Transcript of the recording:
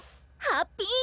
ハッピー。